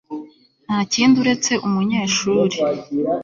Nta kindi uretse umunyeshuri